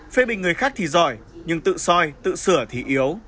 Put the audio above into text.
phê bình người khác thì giỏi nhưng tự soi tự sửa thì yếu